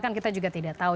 kan kita juga tidak tahu